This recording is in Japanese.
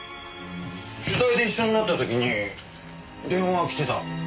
取材で一緒になった時に電話が来てた。